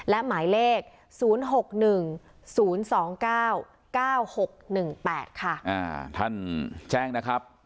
และหมายเลข๐๖๑๐๒๙๙๖๑๘ค่ะอ่าท่านแจ้งนะครับ